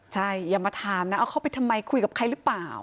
ใช่อย่ามาถามนะเอาเข้าไปทำไมคุยกับใครหรือเปล่า